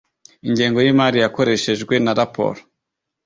ingengo y imari yakoreshejwe na raporo